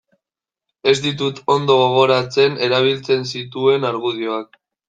Ez ditut ondo gogoratzen erabiltzen zituen argudioak.